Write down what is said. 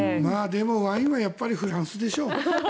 でもワインはやっぱりフランスでしょう。